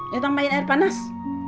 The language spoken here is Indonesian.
ya tambahin air panas